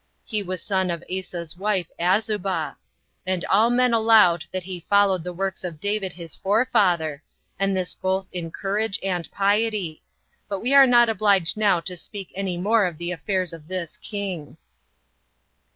He was born of Asa's wife Azubah. And all men allowed that he followed the works of David his forefather, and this both in courage and piety; but we are not obliged now to speak any more of the affairs of this king.